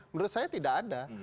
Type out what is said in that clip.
menurut saya tidak ada